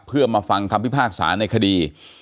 เพื่อมาฟังคำพิพากษาในคดี